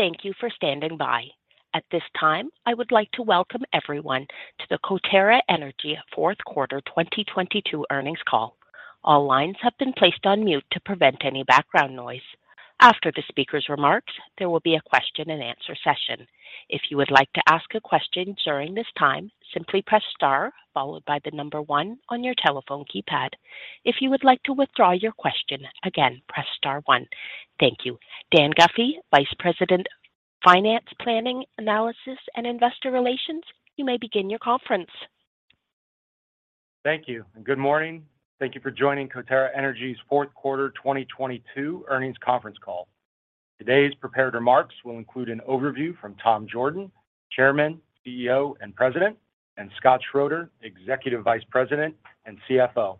Thank you for standing by. At this time, I would like to welcome everyone to the Coterra Energy Fourth Quarter 2022 earnings call. All lines have been placed on mute to prevent any background noise. After the speaker's remarks, there will be a question and answer session. If you would like to ask a question during this time, simply press star followed by 1 on your telephone keypad. If you would like to withdraw your question, again, press star 1. Thank you. Dan Guffey, Vice President, Finance, Planning, Analysis and Investor Relations, you may begin your conference. Thank you. Good morning. Thank you for joining Coterra Energy's fourth quarter 2022 earnings conference call. Today's prepared remarks will include an overview from Tom Jorden, Chairman, CEO, and President, and Scott Schroeder, Executive Vice President and CFO.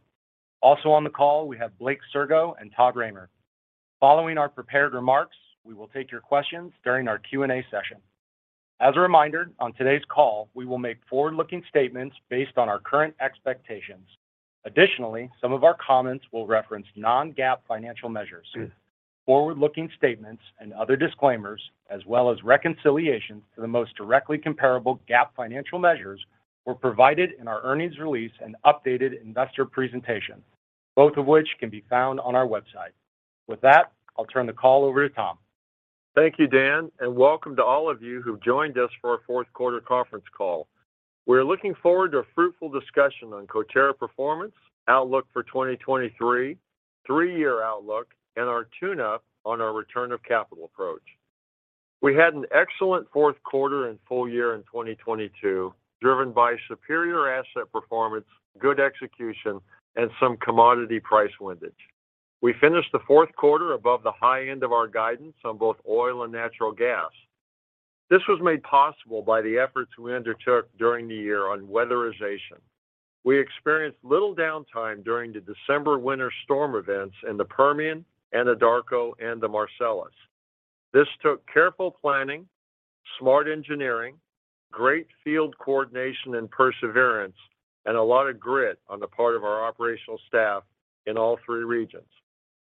Also on the call, we have Blake Sirgo and Todd Roemer. Following our prepared remarks, we will take your questions during our Q&A session. As a reminder, on today's call, we will make forward-looking statements based on our current expectations. Additionally, some of our comments will reference non-GAAP financial measures. Forward-looking statements and other disclaimers, as well as reconciliations to the most directly comparable GAAP financial measures, were provided in our earnings release and updated investor presentation, both of which can be found on our website. With that, I'll turn the call over to Tom. Thank you, Dan, and welcome to all of you who've joined us for our fourth quarter conference call. We're looking forward to a fruitful discussion on Coterra performance, outlook for 2023, 3-year outlook, and our tune-up on our return of capital approach. We had an excellent fourth quarter and full year in 2022, driven by superior asset performance, good execution, and some commodity price windage. We finished the fourth quarter above the high end of our guidance on both oil and natural gas. This was made possible by the efforts we undertook during the year on weatherization. We experienced little downtime during the December winter storm events in the Permian, Anadarko, and the Marcellus. This took careful planning, smart engineering, great field coordination and perseverance, and a lot of grit on the part of our operational staff in all three regions.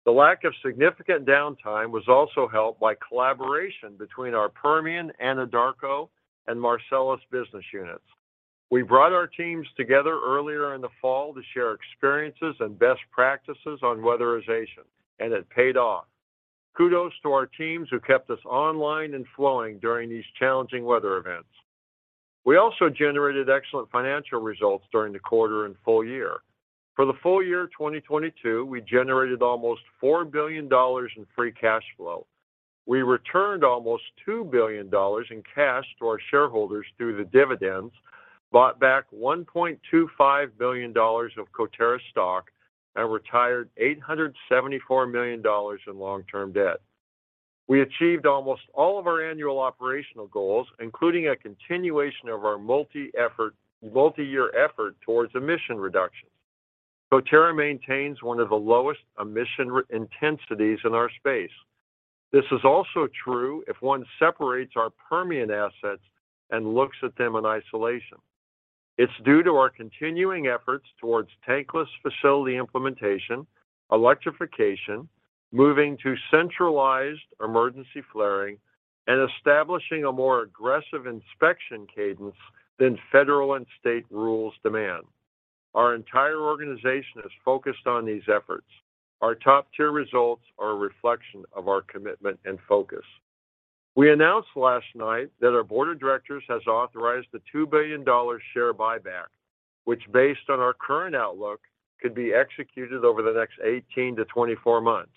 The lack of significant downtime was also helped by collaboration between our Permian, Anadarko, and Marcellus business units. We brought our teams together earlier in the fall to share experiences and best practices on weatherization. It paid off. Kudos to our teams who kept us online and flowing during these challenging weather events. We also generated excellent financial results during the quarter and full year. For the full year 2022, we generated almost $4 billion in free cash flow. We returned almost $2 billion in cash to our shareholders through the dividends, bought back $1.25 billion of Coterra stock, and retired $874 million in long-term debt. We achieved almost all of our annual operational goals, including a continuation of our multi-year effort towards emission reductions. Coterra maintains one of the lowest emission intensities in our space. This is also true if one separates our Permian assets and looks at them in isolation. It's due to our continuing efforts towards tankless facility implementation, electrification, moving to centralized emergency flaring, and establishing a more aggressive inspection cadence than federal and state rules demand. Our entire organization is focused on these efforts. Our top-tier results are a reflection of our commitment and focus. We announced last night that our board of directors has authorized the $2 billion share buyback, which based on our current outlook, could be executed over the next 18 to 24 months.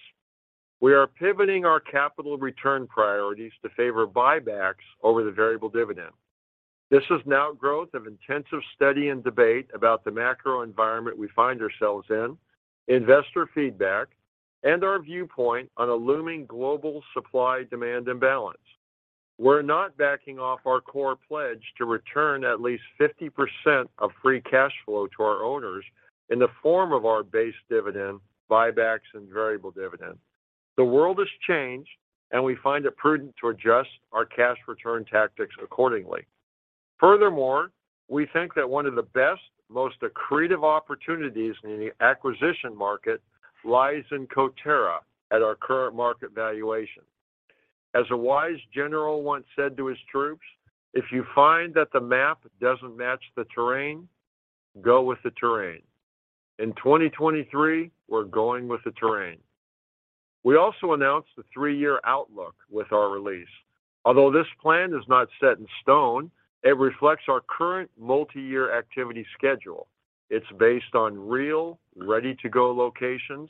We are pivoting our capital return priorities to favor buybacks over the variable dividend. This is now growth of intensive study and debate about the macro environment we find ourselves in, investor feedback, and our viewpoint on a looming global supply-demand imbalance. We're not backing off our core pledge to return at least 50% of free cash flow to our owners in the form of our base dividend, buybacks, and variable dividend. The world has changed, and we find it prudent to adjust our cash return tactics accordingly. We think that one of the best, most accretive opportunities in the acquisition market lies in Coterra at our current market valuation. As a wise general once said to his troops, "If you find that the map doesn't match the terrain, go with the terrain." 2023, we're going with the terrain. We also announced the 3-year outlook with our release. Although this plan is not set in stone, it reflects our current multi-year activity schedule. It's based on real, ready-to-go locations,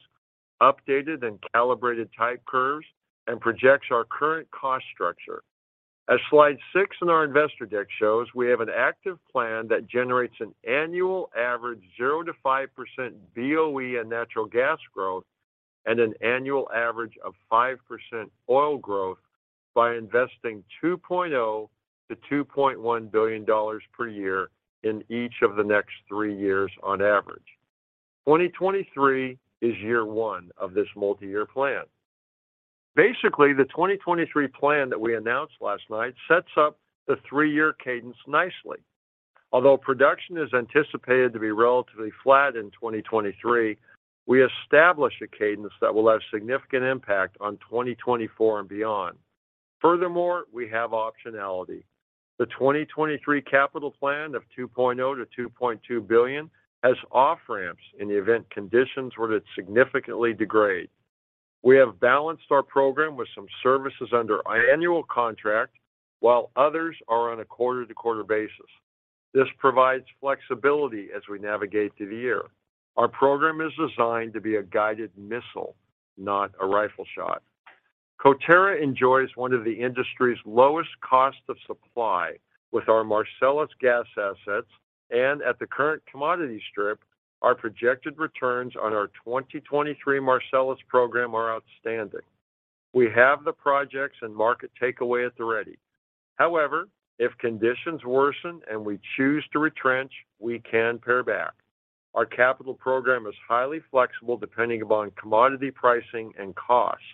updated and calibrated type curves, and projects our current cost structure. As slide 6 in our investor deck shows, we have an active plan that generates an annual average 0%-5% BOE and natural gas growth and an annual average of 5% oil growth by investing $2.0 billion-$2.1 billion per year in each of the next 3 years on average. 2023 is year 1 of this multi-year plan. Basically, the 2023 plan that we announced last night sets up the 3-year cadence nicely. Production is anticipated to be relatively flat in 2023, we establish a cadence that will have significant impact on 2024 and beyond. Furthermore, we have optionality. The 2023 capital plan of $2.0 billion-$2.2 billion has off-ramps in the event conditions were to significantly degrade. We have balanced our program with some services under annual contract, while others are on a quarter-to-quarter basis. This provides flexibility as we navigate through the year. Our program is designed to be a guided missile, not a rifle shot. Coterra enjoys one of the industry's lowest cost of supply with our Marcellus gas assets. At the current commodity strip, our projected returns on our 2023 Marcellus program are outstanding. We have the projects and market takeaway at the ready. However, if conditions worsen and we choose to retrench, we can pare back. Our capital program is highly flexible depending upon commodity pricing and costs.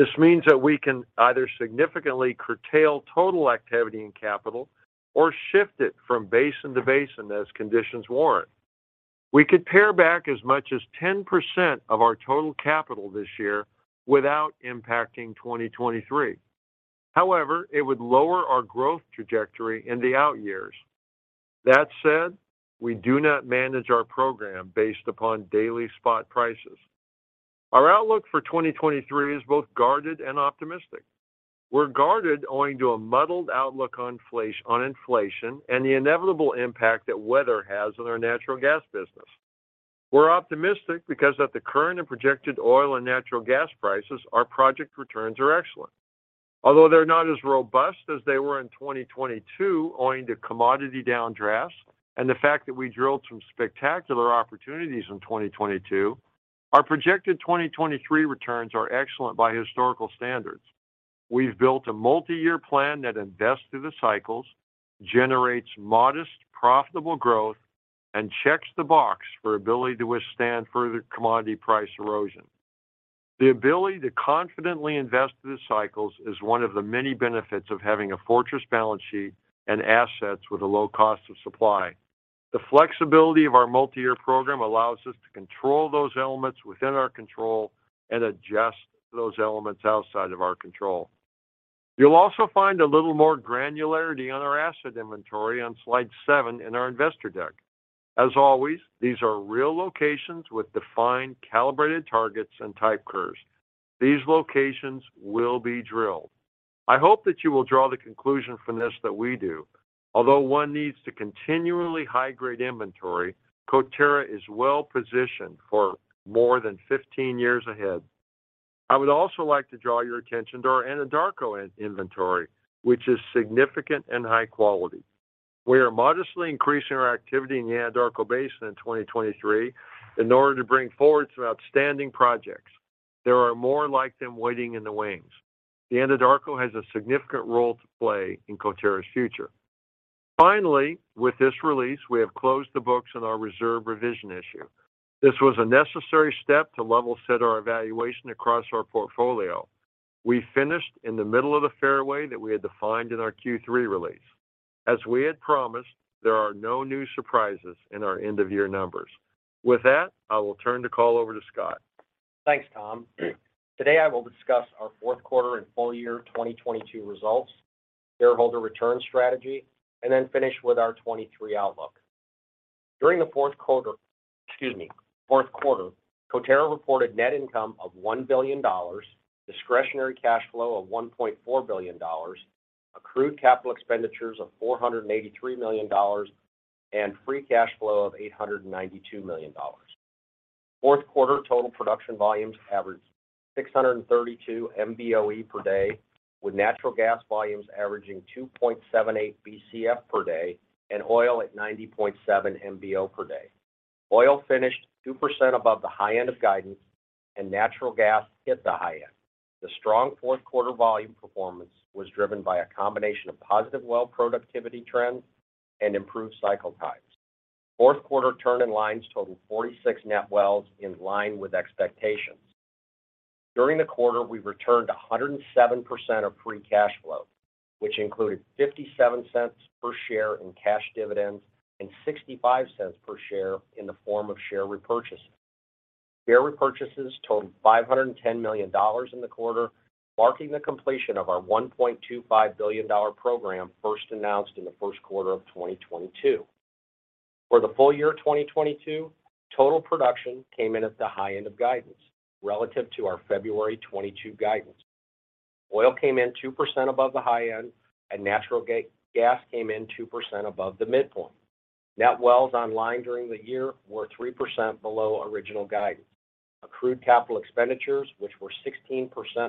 This means that we can either significantly curtail total activity in capital or shift it from basin to basin as conditions warrant. We could pare back as much as 10% of our total capital this year without impacting 2023. However, it would lower our growth trajectory in the out years. That said, we do not manage our program based upon daily spot prices. Our outlook for 2023 is both guarded and optimistic. We're guarded owing to a muddled outlook on inflation and the inevitable impact that weather has on our natural gas business. We're optimistic because at the current and projected oil and natural gas prices, our project returns are excellent. Although they're not as robust as they were in 2022 owing to commodity downdrafts and the fact that we drilled some spectacular opportunities in 2022, our projected 2023 returns are excellent by historical standards. We've built a multi-year plan that invests through the cycles, generates modest, profitable growth, and checks the box for ability to withstand further commodity price erosion. The ability to confidently invest through the cycles is one of the many benefits of having a fortress balance sheet and assets with a low cost of supply. The flexibility of our multi-year program allows us to control those elements within our control and adjust those elements outside of our control. You'll also find a little more granularity on our asset inventory on slide 7 in our investor deck. As always, these are real locations with defined, calibrated targets, and type curves. These locations will be drilled. I hope that you will draw the conclusion from this that we do. Although one needs to continually high-grade inventory, Coterra is well-positioned for more than 15 years ahead. I would also like to draw your attention to our Anadarko in-inventory, which is significant and high quality. We are modestly increasing our activity in the Anadarko Basin in 2023 in order to bring forward some outstanding projects. There are more like them waiting in the wings. The Anadarko has a significant role to play in Coterra's future. Finally, with this release, we have closed the books on our reserve revision issue. This was a necessary step to level set our evaluation across our portfolio. We finished in the middle of the fairway that we had defined in our Q3 release. As we had promised, there are no new surprises in our end-of-year numbers. With that, I will turn the call over to Scott. Thanks, Tom. Today, I will discuss our fourth quarter and full year 2022 results, shareholder return strategy, finish with our 2023 outlook. During the fourth quarter, Coterra reported net income of $1 billion, discretionary cash flow of $1.4 billion, accrued capital expenditures of $483 million, and free cash flow of $892 million. Fourth quarter total production volumes averaged 632 MBOE per day, with natural gas volumes averaging 2.78 BCF per day and oil at 90.7 MBO per day. Oil finished 2% above the high end of guidance, natural gas hit the high end. The strong fourth quarter volume performance was driven by a combination of positive well productivity trends and improved cycle times. Fourth quarter turn-in-lines totaled 46 net wells in line with expectations. During the quarter, we returned 107% of free cash flow, which included $0.57 per share in cash dividends and $0.65 per share in the form of share repurchases. Share repurchases totaled $510 million in the quarter, marking the completion of our $1.25 billion program first announced in the first quarter of 2022. For the full year 2022, total production came in at the high end of guidance relative to our February 2022 guidance. Oil came in 2% above the high end, and natural gas came in 2% above the midpoint. Net wells online during the year were 3% below original guidance. Accrued capital expenditures, which were 16%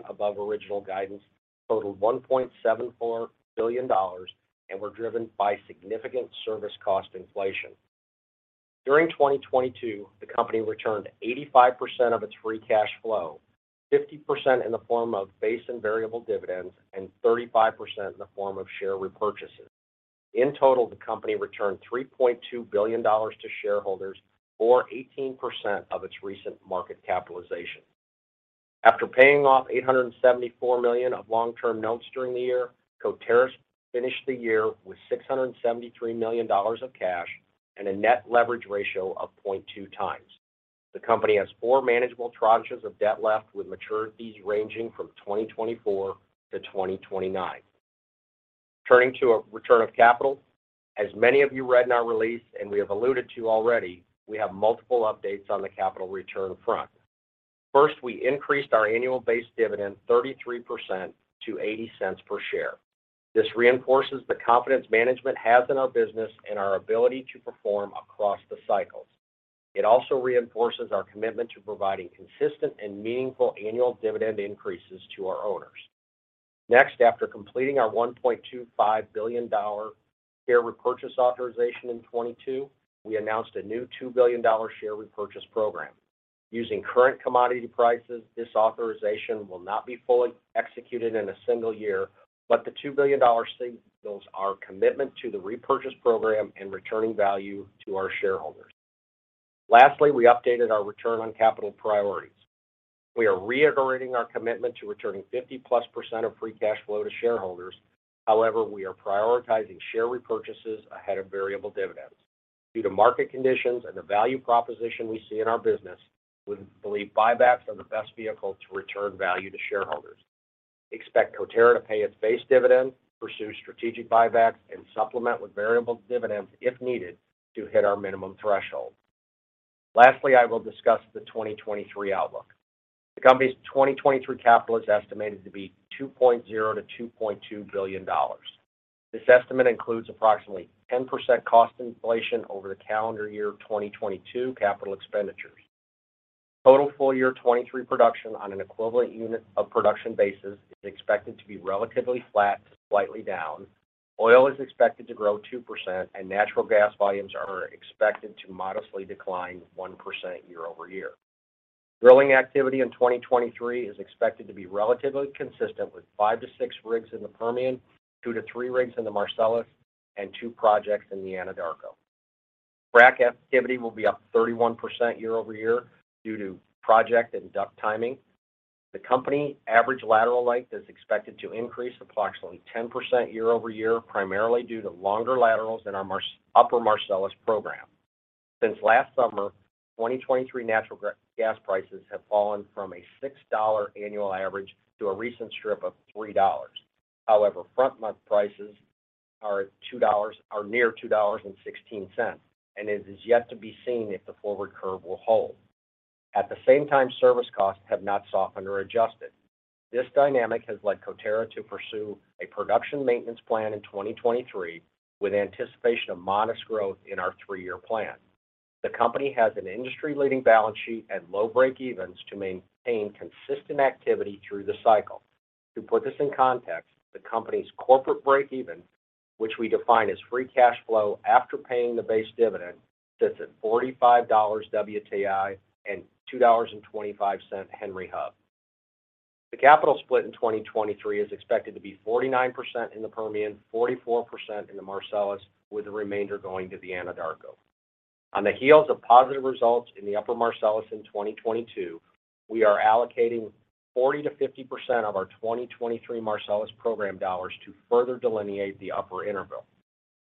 above original guidance, totaled $1.74 billion and were driven by significant service cost inflation. During 2022, the company returned 85% of its free cash flow, 50% in the form of base and variable dividends, and 35% in the form of share repurchases. In total, the company returned $3.2 billion to shareholders or 18% of its recent market capitalization. After paying off $874 million of long-term notes during the year, Coterra finished the year with $673 million of cash and a net leverage ratio of 0.2x. The company has four manageable tranches of debt left, with maturities ranging from 2024 to 2029. Turning to a return of capital. As many of you read in our release and we have alluded to already, we have multiple updates on the capital return front. First, we increased our annual base dividend 33% to $0.80 per share. This reinforces the confidence management has in our business and our ability to perform across the cycles. It also reinforces our commitment to providing consistent and meaningful annual dividend increases to our owners. Next, after completing our $1.25 billion share repurchase authorization in 2022, we announced a new $2 billion share repurchase program. Using current commodity prices, this authorization will not be fully executed in a single year, but the $2 billion signals our commitment to the repurchase program and returning value to our shareholders. Lastly, we updated our return on capital priorities. We are reiterating our commitment to returning 50%+ of free cash flow to shareholders. We are prioritizing share repurchases ahead of variable dividends. Due to market conditions and the value proposition we see in our business, we believe buybacks are the best vehicle to return value to shareholders. Expect Coterra to pay its base dividend, pursue strategic buybacks, and supplement with variable dividends if needed to hit our minimum threshold. I will discuss the 2023 outlook. The company's 2023 capital is estimated to be $2.0 billion-$2.2 billion. This estimate includes approximately 10% cost inflation over the calendar year 2022 capital expenditures. Total full year 23 production on an equivalent unit of production basis is expected to be relatively flat to slightly down. Oil is expected to grow 2%, and natural gas volumes are expected to modestly decline 1% year-over-year. Drilling activity in 2023 is expected to be relatively consistent, with 5-6 rigs in the Permian, 2-3 rigs in the Marcellus, and 2 projects in the Anadarko. Frac activity will be up 31% year-over-year due to project and duct timing. The company average lateral length is expected to increase approximately 10% year-over-year, primarily due to longer laterals in our Upper Marcellus program. Since last summer, 2023 natural gas prices have fallen from a $6 annual average to a recent strip of $3. However, front month prices are near $2.16, and it is yet to be seen if the forward curve will hold. At the same time, service costs have not softened or adjusted. This dynamic has led Coterra to pursue a production maintenance plan in 2023, with anticipation of modest growth in our 3-year plan. The company has an industry-leading balance sheet and low breakevens to maintain consistent activity through the cycle. To put this in context, the company's corporate breakeven, which we define as free cash flow after paying the base dividend, sits at $45 WTI and $2.25 Henry Hub. The capital split in 2023 is expected to be 49% in the Permian, 44% in the Marcellus, with the remainder going to the Anadarko. On the heels of positive results in the Upper Marcellus in 2022, we are allocating 40%-50% of our 2023 Marcellus program dollars to further delineate the upper interval.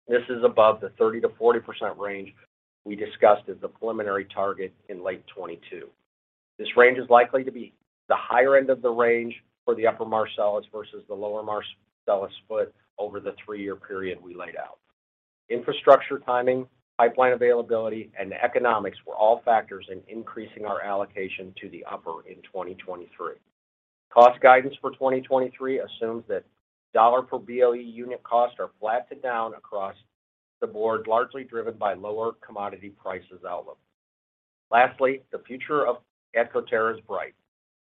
This is above the 30%-40% range we discussed as the preliminary target in late 2022. This range is likely to be the higher end of the range for the Upper Marcellus versus the lower Marcellus foot over the 3-year period we laid out. Infrastructure timing, pipeline availability, and economics were all factors in increasing our allocation to the upper in 2023. Cost guidance for 2023 assumes that $ per BOE unit costs are flat to down across the board, largely driven by lower commodity prices outlook. Lastly, the future at Coterra is bright.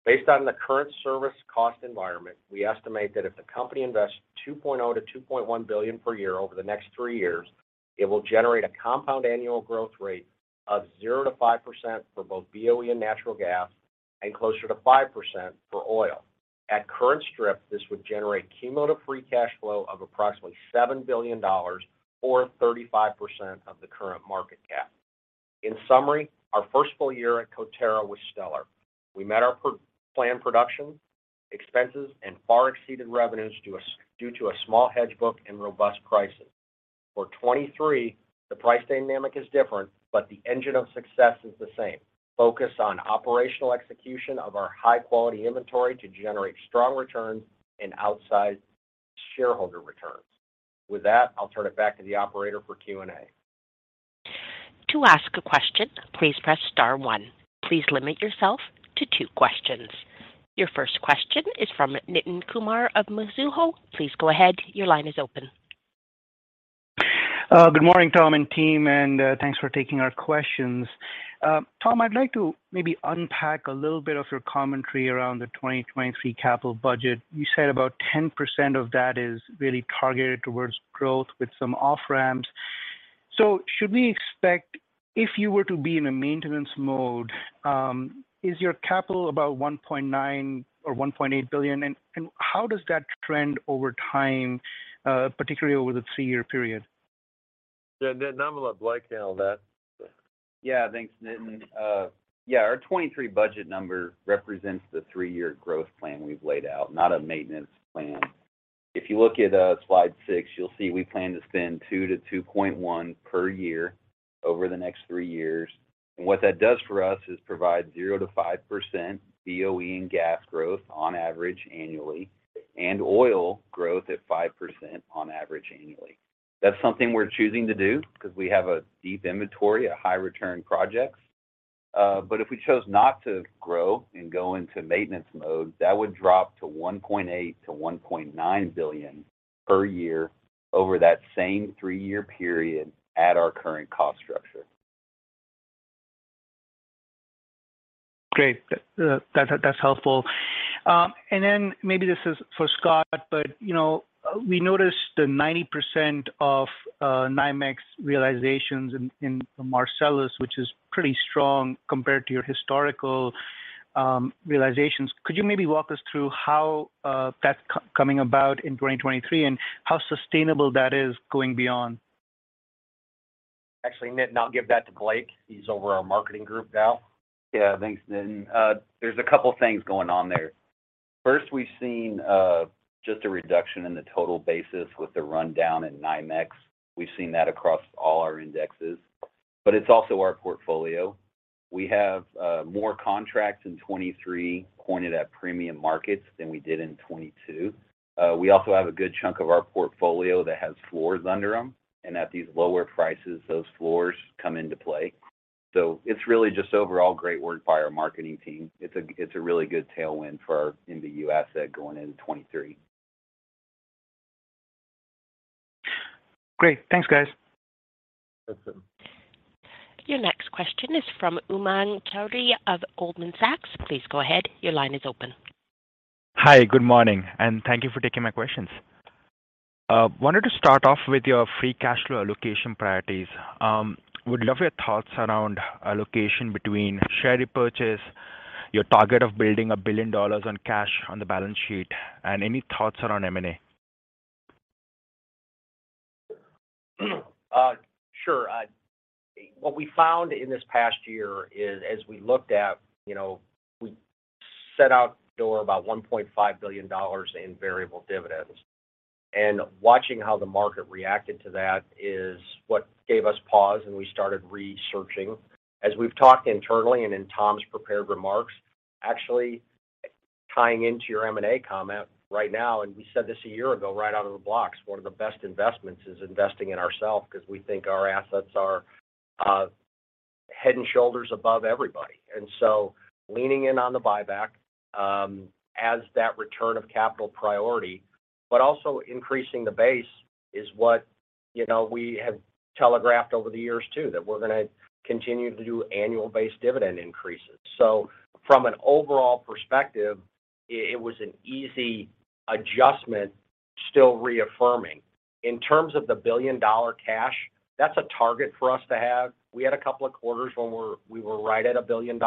Based on the current service cost environment, we estimate that if the company invests $2.0 billion-$2.1 billion per year over the next three years, it will generate a compound annual growth rate of 0%-5% for both BOE and natural gas and closer to 5% for oil. At current strip, this would generate cumulative free cash flow of approximately $7 billion or 35% of the current market cap. In summary, our first full year at Coterra was stellar. We met our planned production, expenses, and far exceeded revenues due to a small hedge book and robust pricing. For 2023, the price dynamic is different, but the engine of success is the same. Focus on operational execution of our high-quality inventory to generate strong returns and outsize shareholder returns. With that, I'll turn it back to the operator for Q&A. To ask a question, please press star one. Please limit yourself to two questions. Your first question is from Nitin Kumar of Mizuho. Please go ahead. Your line is open. Good morning, Tom and team, and thanks for taking our questions. Tom, I'd like to maybe unpack a little bit of your commentary around the 2023 capital budget. You said about 10% of that is really targeted towards growth with some off-ramps. Should we expect if you were to be in a maintenance mode, is your capital about $1.9 billion or $1.8 billion? How does that trend over time, particularly over the 3-year period? Yeah, Nitin, I'm gonna let Blake handle that. Yeah. Thanks, Nitin. yeah, our 2023 budget number represents the 3-year growth plan we've laid out, not a maintenance plan. If you look at slide 6, you'll see we plan to spend $2 billion-$2.1 billion per year over the next 3 years. What that does for us is provide 0%-5% BOE and gas growth on average annually, and oil growth at 5% on average annually. That's something we're choosing to do because we have a deep inventory of high return projects. If we chose not to grow and go into maintenance mode, that would drop to $1.8 billion-$1.9 billion per year over that same 3-year period at our current cost structure. Great. That's helpful. Then maybe this is for Scott, but, you know, we noticed the 90% of NYMEX realizations in Marcellus, which is pretty strong compared to your historical realizations. Could you maybe walk us through how that's coming about in 2023 and how sustainable that is going beyond? Actually, Nitin, I'll give that to Blake. He's over our marketing group now. Yeah. Thanks, Nitin. There's a couple things going on there. First, we've seen, just a reduction in the total basis with the rundown in NYMEX. We've seen that across all our indexes. It's also our portfolio. We have more contracts in 2023 pointed at premium markets than we did in 2022. We also have a good chunk of our portfolio that has floors under them, and at these lower prices, those floors come into play. It's really just overall great work by our marketing team. It's a, it's a really good tailwind for our NBU asset going into 2023. Great. Thanks, guys. Awesome. Your next question is from Umang Choudhary of Goldman Sachs. Please go ahead. Your line is open. Hi. Good morning, and thank you for taking my questions. Wanted to start off with your free cash flow allocation priorities. Would love your thoughts around allocation between share repurchase, your target of building $1 billion on cash on the balance sheet, and any thoughts around M&A. Sure. What we found in this past year is as we looked at, you know, we set out the door about $1.5 billion in variable dividends. Watching how the market reacted to that is what gave us pause, and we started researching. As we've talked internally and in Tom's prepared remarks, actually tying into your M&A comment right now, and we said this a year ago right out of the blocks, one of the best investments is investing in ourself because we think our assets are head and shoulders above everybody. Leaning in on the buyback, as that return of capital priority, but also increasing the base is what, you know, we have telegraphed over the years too, that we're gonna continue to do annual base dividend increases. From an overall perspective, it was an easy adjustment, still reaffirming. In terms of the $1 billion cash, that's a target for us to have. We had a couple of quarters when we were right at $1 billion.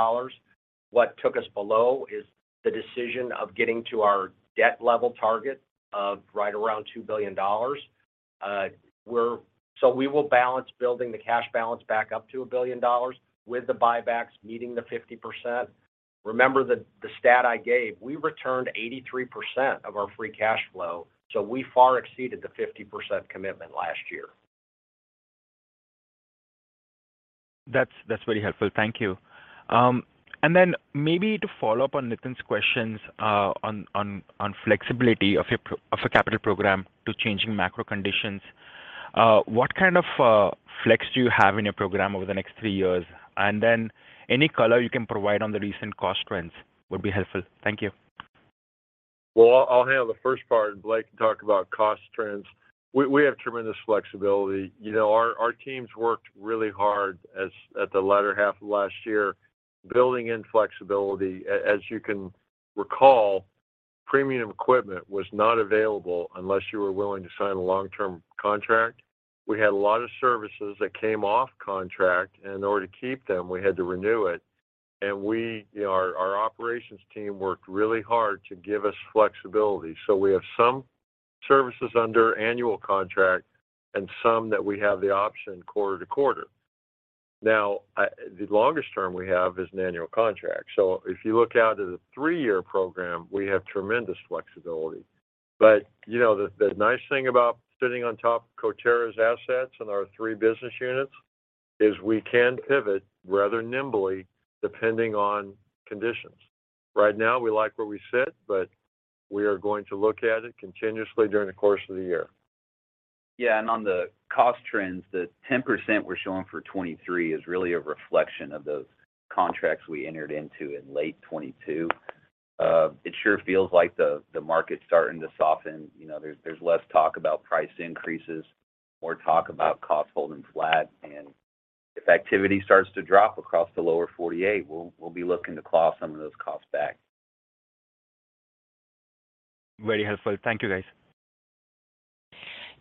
What took us below is the decision of getting to our debt level target of right around $2 billion. We will balance building the cash balance back up to $1 billion with the buybacks meeting the 50%. Remember the stat I gave, we returned 83% of our free cash flow, so we far exceeded the 50% commitment last year. That's very helpful. Thank you. Then maybe to follow up on Nitin's questions, on flexibility of the capital program to changing macro conditions. What kind of flex do you have in your program over the next three years? Then any color you can provide on the recent cost trends would be helpful. Thank you. I'll handle the first part, and Blake Sirgo can talk about cost trends. We have tremendous flexibility. You know, our teams worked really hard at the latter half of last year, building in flexibility. As you can recall, premium equipment was not available unless you were willing to sign a long-term contract. We had a lot of services that came off contract, and in order to keep them, we had to renew it. We, you know, our operations team worked really hard to give us flexibility. We have some services under annual contract and some that we have the option quarter to quarter. The longest term we have is an annual contract. If you look out at a 3-year program, we have tremendous flexibility. You know, the nice thing about sitting on top of Coterra's assets and our three business units is we can pivot rather nimbly depending on conditions. Right now, we like where we sit, but we are going to look at it continuously during the course of the year. Yeah. On the cost trends, the 10% we're showing for 2023 is really a reflection of those contracts we entered into in late 2022. It sure feels like the market's starting to soften. You know, there's less talk about price increases, more talk about costs holding flat. If activity starts to drop across the lower 48, we'll be looking to claw some of those costs back. Very helpful. Thank you, guys.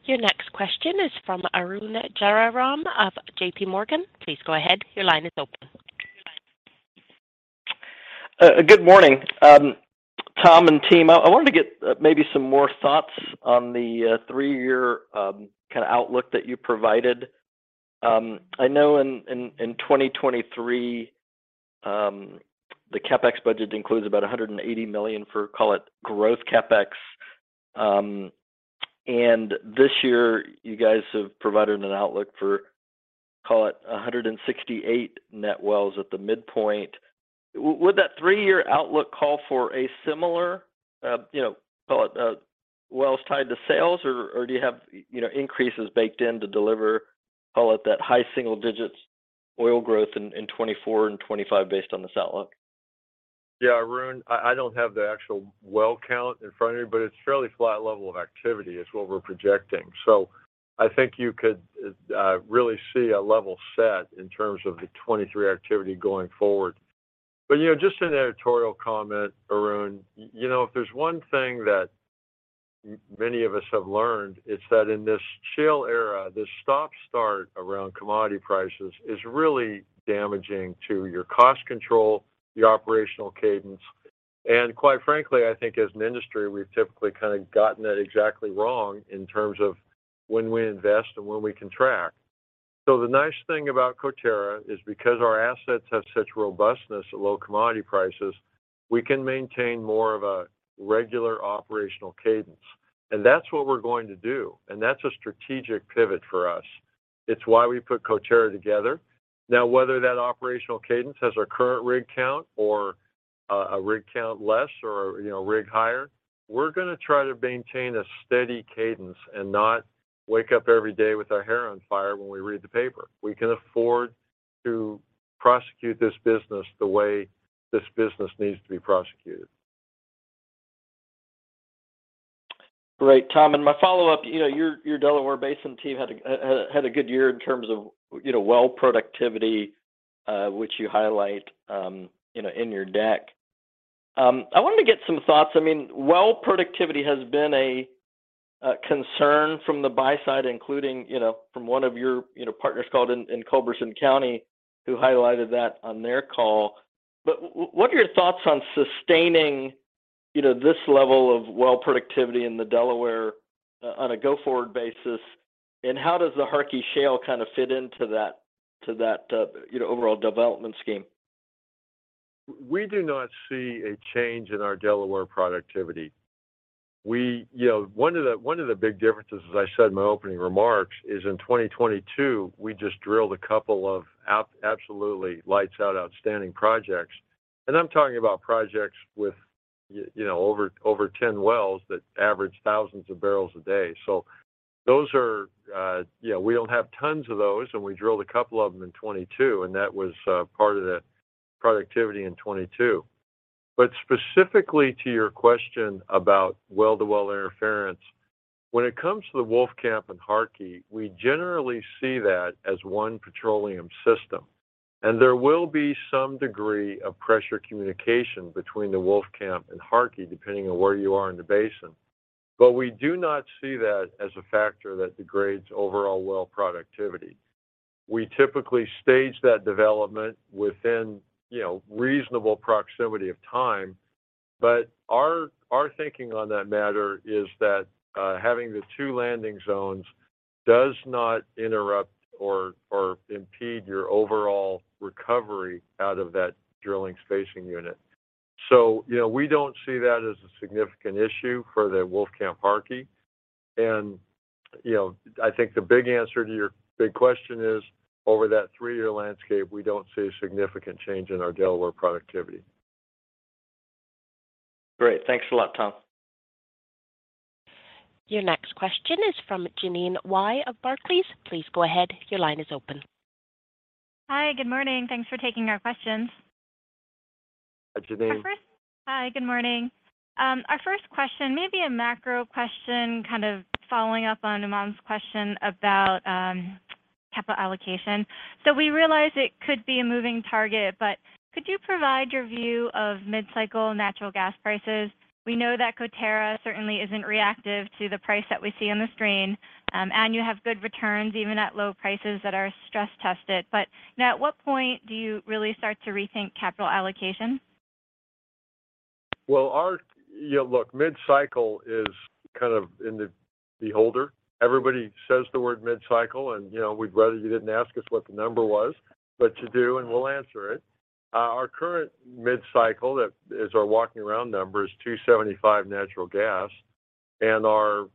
Your next question is from Arun Jayaram of JPMorgan. Please go ahead. Your line is open. Good morning, Tom and team. I wanted to get maybe some more thoughts on the three-year kind of outlook that you provided. I know in 2023, the CapEx budget includes about $180 million for, call it growth CapEx. This year, you guys have provided an outlook for, call it 168 net wells at the midpoint. Would that three-year outlook call for a similar, you know, call it, wells tied to sales or do you have, you know, increases baked in to deliver, call it that high single digits oil growth in 2024 and 2025 based on this outlook? Arun, I don't have the actual well count in front of me, but it's fairly flat level of activity is what we're projecting. I think you could really see a level set in terms of the 23 activity going forward. You know, just an editorial comment, Arun. You know, if there's one thing that many of us have learned is that in this shale era, this stop-start around commodity prices is really damaging to your cost control, your operational cadence. Quite frankly, I think as an industry, we've typically kind of gotten that exactly wrong in terms of when we invest and when we contract. The nice thing about Coterra is because our assets have such robustness at low commodity prices, we can maintain more of a regular operational cadence. That's what we're going to do, and that's a strategic pivot for us. It's why we put Coterra together. Whether that operational cadence has our current rig count or a rig count less or, you know, a rig higher, we're gonna try to maintain a steady cadence and not wake up every day with our hair on fire when we read the paper. We can afford to prosecute this business the way this business needs to be prosecuted. Great, Tom. My follow-up, you know, your Delaware Basin team had a good year in terms of, you know, well productivity, which you highlight, you know, in your deck. I wanted to get some thoughts. I mean, well productivity has been a concern from the buy side, including, you know, from one of your, you know, partners called in Culberson County, who highlighted that on their call. What are your thoughts on sustaining, you know, this level of well productivity in the Delaware on a go-forward basis? How does the Harkey Sandstone kind of fit into that, you know, overall development scheme? We do not see a change in our Delaware productivity. You know, one of the big differences, as I said in my opening remarks, is in 2022, we just drilled a couple of absolutely lights out outstanding projects. I'm talking about projects with you know, over 10 wells that average thousands of barrels a day. You know, we don't have tons of those, and we drilled a couple of them in '22, and that was part of the productivity in '22. Specifically to your question about well-to-well interference, when it comes to the Wolfcamp and Harkey, we generally see that as one petroleum system, and there will be some degree of pressure communication between the Wolfcamp and Harkey, depending on where you are in the basin. We do not see that as a factor that degrades overall well productivity. We typically stage that development within, you know, reasonable proximity of time. Our thinking on that matter is that having the two landing zones does not interrupt or impede your overall recovery out of that drilling spacing unit. You know, we don't see that as a significant issue for the Wolfcamp Harkey. You know, I think the big answer to your big question is, over that three-year landscape, we don't see a significant change in our Delaware productivity. Great. Thanks a lot, Tom. Your next question is from Jeanine Wai of Barclays. Please go ahead. Your line is open. Hi. Good morning. Thanks for taking our questions. Hi, Jeanine. Hi. Good morning. Our first question, may be a macro question, kind of following up on Umang's question about capital allocation. We realize it could be a moving target, but could you provide your view of mid-cycle natural gas prices? We know that Coterra certainly isn't reactive to the price that we see on the screen, and you have good returns even at low prices that are stress-tested. You know, at what point do you really start to rethink capital allocation? Well, you know, look, mid-cycle is kind of in the beholder. Everybody says the word mid-cycle, you know, we'd rather you didn't ask us what the number was, but you do, and we'll answer it. Our current mid-cycle that is our walking around number is $2.75 natural gas, our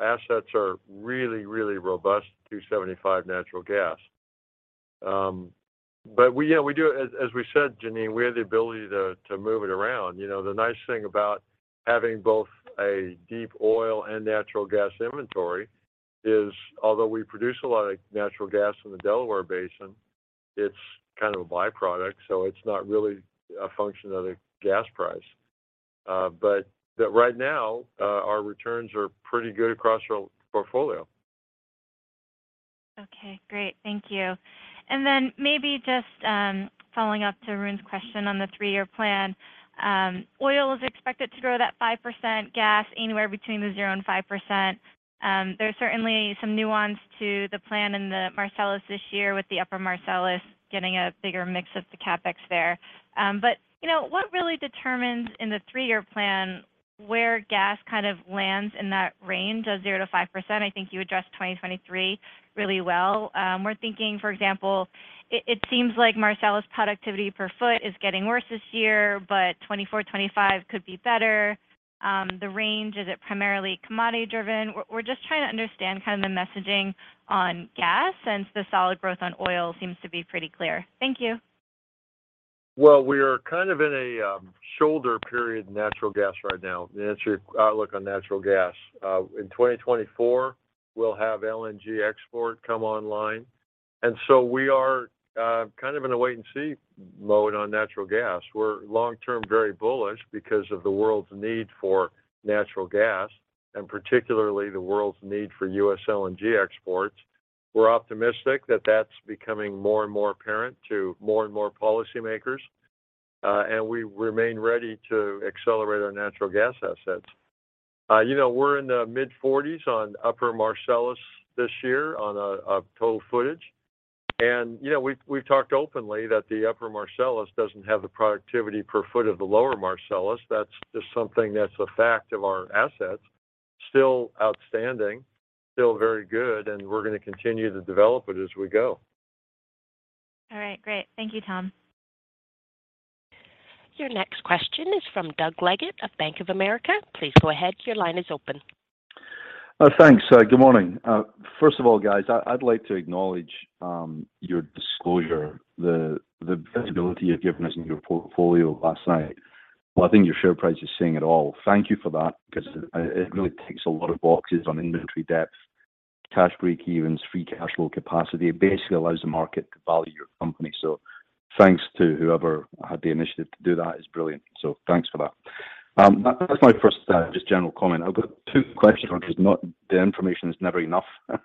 assets are really robust $2.75 natural gas. We, you know, we As we said, Jeanine, we have the ability to move it around. You know, the nice thing about having both a deep oil and natural gas inventory is, although we produce a lot of natural gas in the Delaware Basin, it's kind of a by-product, it's not really a function of the gas price. But right now, our returns are pretty good across our portfolio. Okay, great. Thank you. Maybe just following up to Arun's question on the 3-year plan. Oil is expected to grow that 5%, gas anywhere between the 0%-5%. There's certainly some nuance to the plan in the Marcellus this year with the Upper Marcellus getting a bigger mix of the CapEx there. You know, what really determines in the 3-year plan where gas kind of lands in that range of 0%-5%? You addressed 2023 really well. We're thinking, for example, it seems like Marcellus productivity per foot is getting worse this year, but 2024, 2025 could be better. The range, is it primarily commodity driven? We're just trying to understand kind of the messaging on gas since the solid growth on oil seems to be pretty clear. Thank you. Well, we're kind of in a shoulder period in natural gas right now. That's your outlook on natural gas. In 2024 we'll have LNG export come online. We are kind of in a wait and see mode on natural gas. We're long-term, very bullish because of the world's need for natural gas, and particularly the world's need for U.S. LNG exports. We're optimistic that that's becoming more and more apparent to more and more policymakers, and we remain ready to accelerate our natural gas assets. You know, we're in the mid-40s on Upper Marcellus this year on a total footage. You know, we've talked openly that the Upper Marcellus doesn't have the productivity per foot of the Lower Marcellus. That's just something that's a fact of our assets, still outstanding, still very good, and we're gonna continue to develop it as we go. All right. Great. Thank you, Tom. Your next question is from Doug Leggate of Bank of America. Please go ahead. Your line is open. Thanks. Good morning. First of all, guys, I'd like to acknowledge your disclosure, the visibility you've given us in your portfolio last night. Well, I think your share price is saying it all. Thank you for that because it really ticks a lot of boxes on inventory depth, cash breakevens, free cash flow capacity. It basically allows the market to value your company. Thanks to whoever had the initiative to do that. It's brilliant. Thanks for that. That's my first just general comment. I've got two questions because the information is never enough. I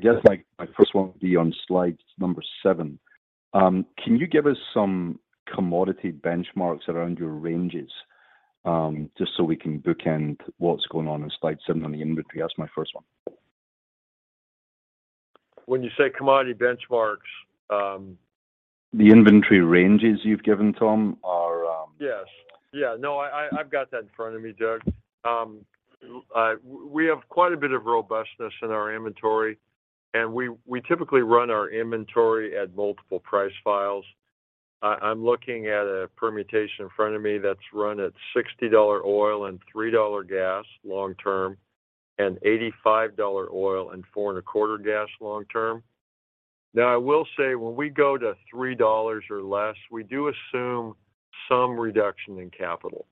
guess my first one would be on slide number 7. Can you give us some commodity benchmarks around your ranges just so we can bookend what's going on in slide 7 on the inventory? That's my first one. When you say commodity benchmarks? The inventory ranges you've given, Tom, are. Yes. Yeah, no, I've got that in front of me, Doug. We have quite a bit of robustness in our inventory, and we typically run our inventory at multiple price files. I'm looking at a permutation in front of me that's run at $60 oil and $3 gas long term, and $85 oil and four and a quarter gas long term. I will say when we go to $3 or less, we do assume some reduction in capital.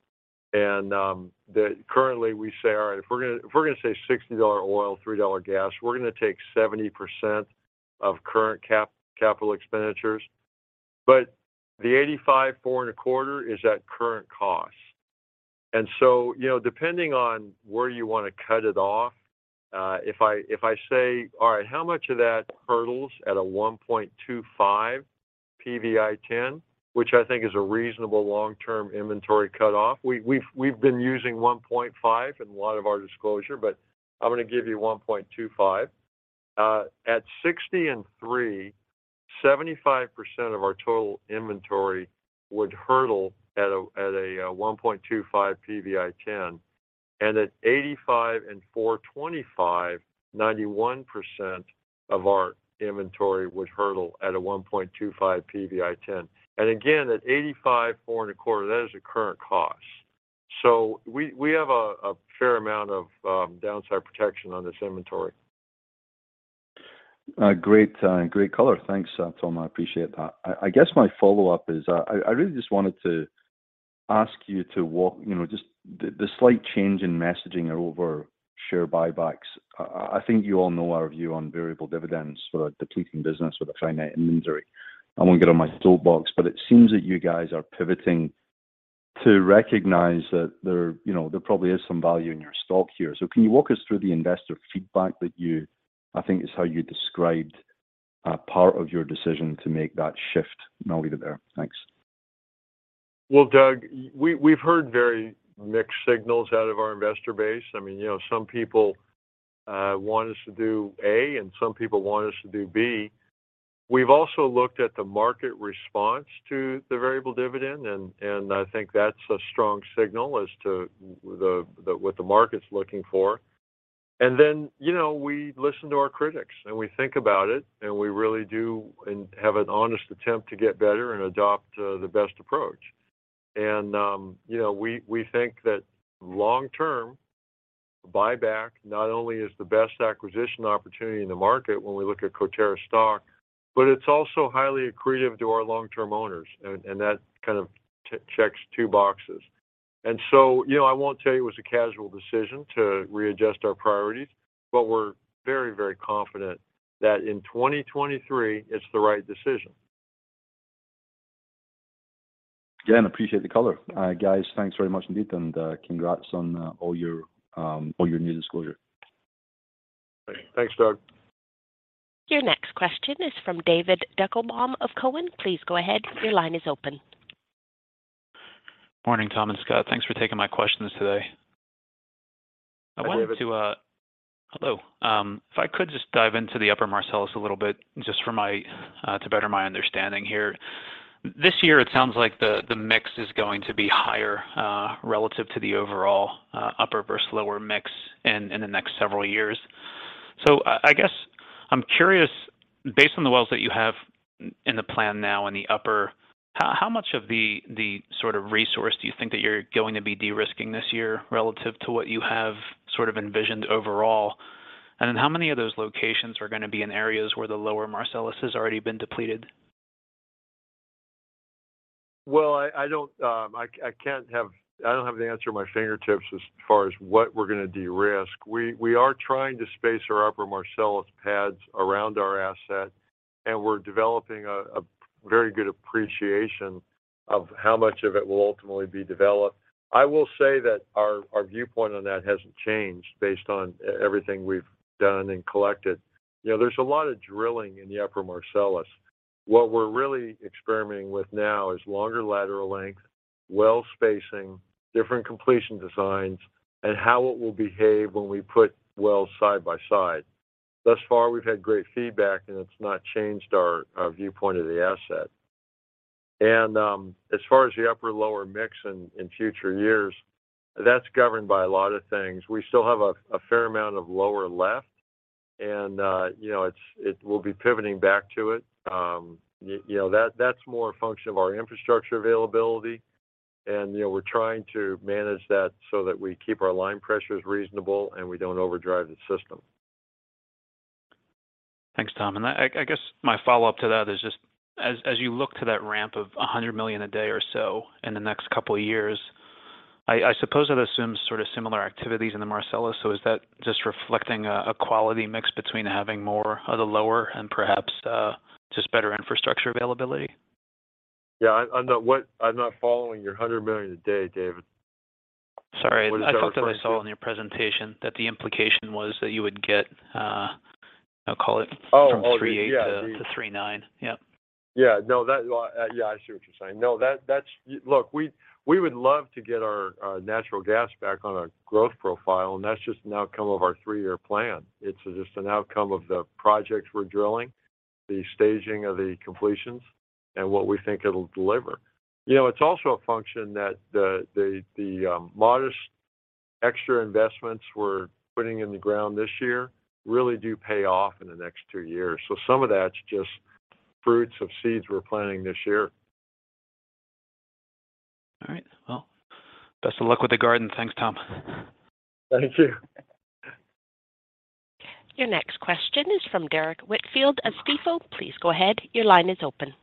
Currently we say, all right, if we're gonna say $60 oil, $3 gas, we're gonna take 70% of current capital expenditures. The $85, four and a quarter is at current cost. You know, depending on where you want to cut it off, if I say, all right, how much of that hurdles at a 1.25 PVI10, which I think is a reasonable long-term inventory cutoff. We've been using 1.5 in a lot of our disclosure, but I'm gonna give you 1.25. At 60 and 3, 75% of our total inventory would hurdle at a 1.25 PVI10. At 85 and 4.25, 91% of our inventory would hurdle at a 1.25 PVI10. At 85, 4.25, that is the current cost. We have a fair amount of downside protection on this inventory. Great, great color. Thanks, Tom. I appreciate that. I guess my follow-up is, I really just wanted to ask you to walk, you know, just the slight change in messaging over share buybacks. I think you all know our view on variable dividends for a depleting business with a finite inventory. I won't get on my soapbox, but it seems that you guys are pivoting to recognize that there, you know, there probably is some value in your stock here. Can you walk us through the investor feedback that you I think is how you described part of your decision to make that shift? I'll leave it there. Thanks. Well, Doug, we've heard very mixed signals out of our investor base. I mean, you know, some people want us to do A and some people want us to do B. We've also looked at the market response to the variable dividend and I think that's a strong signal as to what the market's looking for. You know, we listen to our critics, and we think about it, and we really do and have an honest attempt to get better and adopt the best approach. You know, we think that long term, buyback not only is the best acquisition opportunity in the market when we look at Coterra stock, but it's also highly accretive to our long-term owners. And that kind of checks two boxes. You know, I won't tell you it was a casual decision to readjust our priorities, but we're very, very confident that in 2023 it's the right decision. Appreciate the color. Guys, thanks very much indeed, and congrats on all your new disclosure. Thanks, Doug. Your next question is from David Deckelbaum of Cowen. Please go ahead. Your line is open. Morning, Tom and Scott. Thanks for taking my questions today. Hi, David. I wanted to. Hello. If I could just dive into the Upper Marcellus a little bit, just to better my understanding here. This year, it sounds like the mix is going to be higher relative to the overall Upper versus Lower mix in the next several years. I guess I'm curious, based on the wells that you have in the plan now in the Upper, how much of the sort of resource do you think that you're going to be de-risking this year relative to what you have sort of envisioned overall? How many of those locations are gonna be in areas where the Lower Marcellus has already been depleted? I don't have the answer at my fingertips as far as what we're gonna de-risk. We are trying to space our upper Marcellus pads around our asset, and we're developing a very good appreciation of how much of it will ultimately be developed. I will say that our viewpoint on that hasn't changed based on everything we've done and collected. You know, there's a lot of drilling in the upper Marcellus. What we're really experimenting with now is longer lateral length, well spacing, different completion designs, and how it will behave when we put wells side by side. Thus far, we've had great feedback, and it's not changed our viewpoint of the asset. as far as the upper-lower mix in future years, that's governed by a lot of things. We still have a fair amount of lower left and, you know, we'll be pivoting back to it. You know, that's more a function of our infrastructure availability and, you know, we're trying to manage that so that we keep our line pressures reasonable, and we don't overdrive the system. Thanks, Tom. I guess my follow-up to that is just as you look to that ramp of 100 million a day or so in the next couple of years, I suppose that assumes sort of similar activities in the Marcellus. Is that just reflecting a quality mix between having more of the lower and perhaps, just better infrastructure availability? Yeah. I'm not following your $100 million a day, David. Sorry. What is that referring to? I thought that I saw in your presentation that the implication was that you would get. Oh. Oh, yeah. from 38-39. Yeah. Yeah. Well, yeah, I see what you're saying. No. Look, we would love to get our natural gas back on a growth profile. That's just an outcome of our three-year plan. It's just an outcome of the projects we're drilling, the staging of the completions, and what we think it'll deliver. You know, it's also a function that the modest extra investments we're putting in the ground this year really do pay off in the next two years. Some of that's just fruits of seeds we're planting this year. All right. Well, best of luck with the garden. Thanks, Tom. Thank you. Your next question is from Derrick Whitfield of Stifel. Please go ahead. Your line is open.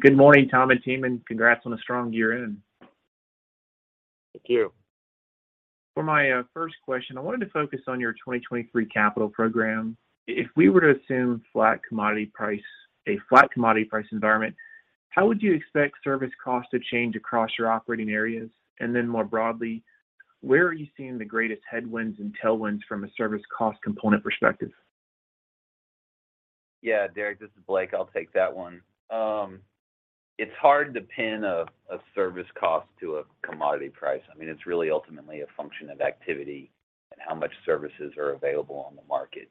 Good morning, Tom and team, congrats on a strong year-end. Thank you. For my first question, I wanted to focus on your 2023 capital program. If we were to assume flat commodity price, a flat commodity price environment, how would you expect service costs to change across your operating areas? More broadly, where are you seeing the greatest headwinds and tailwinds from a service cost component perspective? Derrick, this is Blake. I'll take that one. It's hard to pin a service cost to a commodity price. I mean, it's really ultimately a function of activity and how much services are available on the market.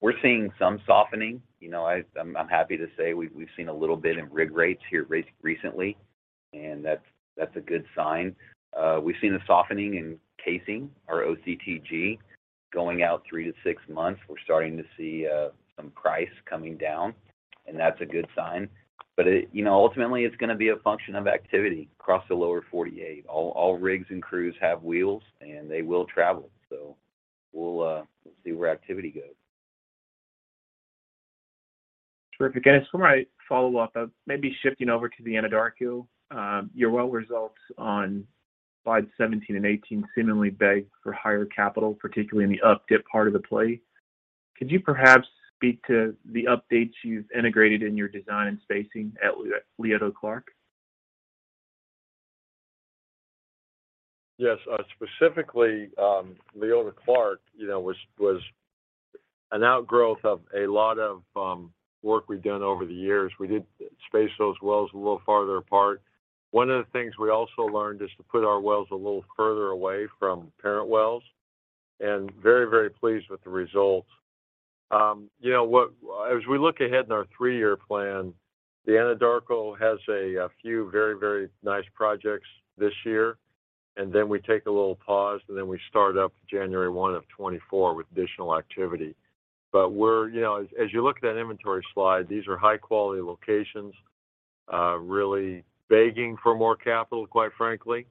We're seeing some softening. You know, I'm happy to say we've seen a little bit in rig rates here recently, and that's a good sign. We've seen a softening in casing, our OCTG. Going out three to six months, we're starting to see some price coming down, and that's a good sign. You know, ultimately, it's gonna be a function of activity across the lower 48. All rigs and crews have wheels, and they will travel. We'll see where activity goes. Terrific. I just one right follow-up, maybe shifting over to the Anadarko. Your well results on slide 17 and 18 seemingly beg for higher capital, particularly in the up-dip part of the play. Could you perhaps speak to the updates you've integrated in your design and spacing at Leota Clark? Yes. specifically, Leota Clark, you know, was an outgrowth of a lot of work we've done over the years. We did space those wells a little farther apart. One of the things we also learned is to put our wells a little further away from parent wells, and very pleased with the results. you know, as we look ahead in our three-year plan, the Anadarko has a few very nice projects this year. We take a little pause, we start up January one of 2024 with additional activity. We're, you know... As you look at that inventory slide, these are high-quality locations, really begging for more capital, quite frankly.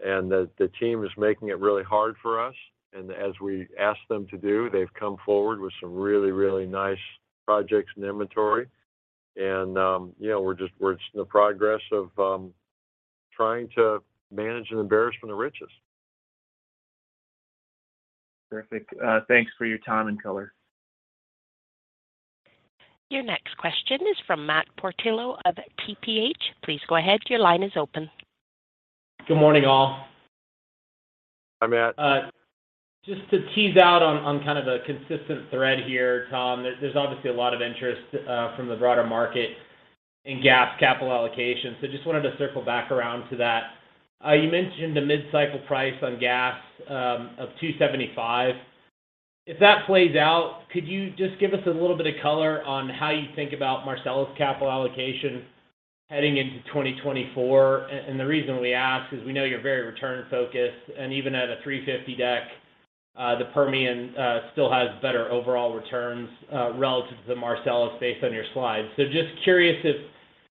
The team is making it really hard for us, and as we ask them to do, they've come forward with some really, really nice projects and inventory. You know, we're in the progress of trying to manage an embarrassment of riches. Terrific. Thanks for your time and color. Your next question is from Matt Portillo of TPH. Please go ahead. Your line is open. Good morning, all. Hi, Matt. Just to tease out on kind of a consistent thread here, Tom. There's obviously a lot of interest from the broader market in gas capital allocation. Just wanted to circle back around to that. You mentioned the mid-cycle price on gas of $2.75. If that plays out, could you just give us a little bit of color on how you think about Marcellus capital allocation heading into 2024? And the reason we ask is we know you're very return focused, and even at a $3.50 deck, the Permian still has better overall returns relative to the Marcellus based on your slides. Just curious if